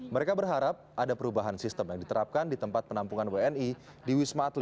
mereka berharap ada perubahan sistem yang diterapkan di tempat penampungan wni di wisma atlet